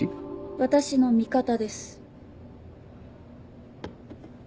私の味方です。